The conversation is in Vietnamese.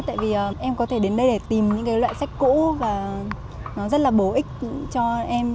tại vì em có thể đến đây để tìm những cái loại sách cũ và nó rất là bổ ích cho em